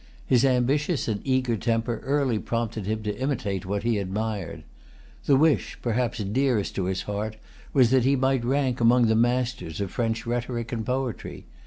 His ambitious and eager temper early prompted him to imitate what he admired. The wish, perhaps, dearest to his heart was that he might rank among the masters of French rhetoric and poetry.